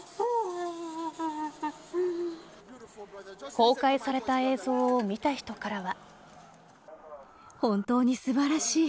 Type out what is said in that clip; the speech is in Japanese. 公開された映像を見た人からは。